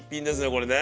これね。